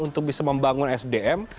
untuk bisa membangun sdm